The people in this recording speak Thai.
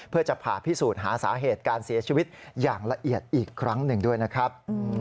เพื่อจะผ่าพิสูจน์หาสาเหตุการเสียชีวิตอย่างละเอียดอีกครั้งหนึ่งด้วยนะครับ